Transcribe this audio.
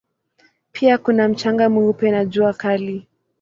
Pia kuna mchanga mweupe na jua kali.